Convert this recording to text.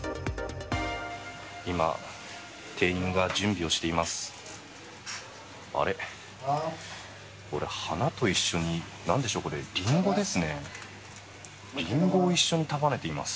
今、店員が準備をしています。